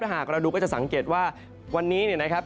หากเราดูก็จะสังเกตว่าวันนี้เนี่ยนะครับ